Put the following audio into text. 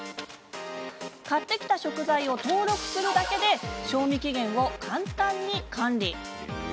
買ってきた食材を登録するだけで賞味期限を簡単に管理。